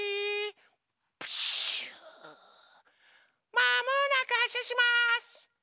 まもなくはっしゃします。